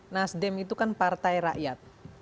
nasdem itu kan partai rakyat